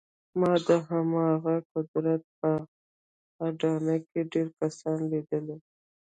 ما د همدغه قدرت په اډانه کې ډېر کسان ليدلي.